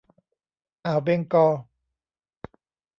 อ่าวเบงกอล